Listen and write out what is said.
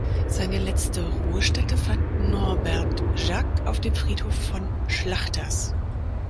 Seine letzte Ruhestätte fand Norbert Jacques auf dem Friedhof von Schlachters.